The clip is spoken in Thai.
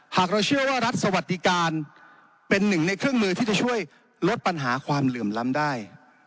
หากเราเชื่อว่ารัฐสวัสดิการเป็นหนึ่งในเครื่องมือที่จะช่วยลดปัญหาความเหลื่อมล้ำได้